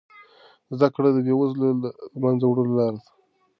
زده کړه د بې وزلۍ د له منځه وړلو لاره ده.